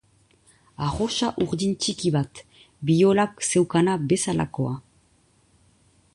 Arrosa urdin txiki bat, Violak zeukana bezalakoa.